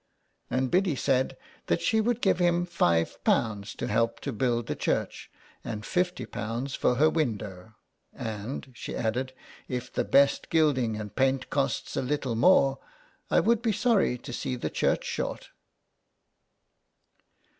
And Biddy said that she would give him five pounds to help to build the church and fifty pounds for her window, and, she added, " if the best gilding and paint costs a little more I would be sorry to see the church short."